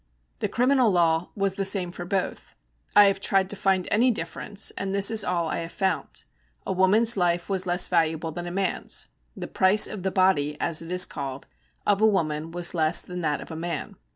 The criminal law was the same for both; I have tried to find any difference, and this is all I have found: A woman's life was less valuable than a man's. The price of the body, as it is called, of a woman was less than that of a man.